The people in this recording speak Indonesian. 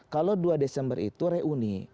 kalau dua desember itu reuni